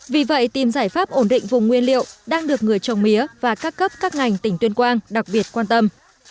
vì vậy tìm giải pháp ổn định vùng nguyên liệu đang được người trồng mía và các cấp các ngành tỉnh tuyên quang đặc biệt quan tâm